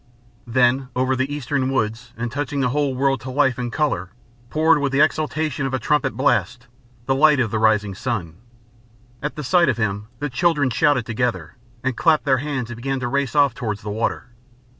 Then over the eastern woods, and touching the whole world to life and colour, poured, with the exaltation of a trumpet blast, the light of the rising sun. At the sight of him the children shouted together, and clapped their hands and began to race off towards the water.